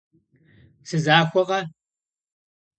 Сызахуэкъэ?